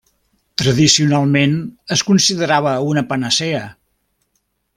Tradicionalment es considerava una panacea.